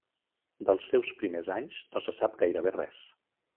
Dels seus primers anys no se sap gairebé res.